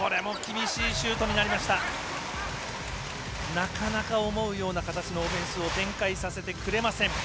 なかなか思うようなオフェンスを展開させてくれません。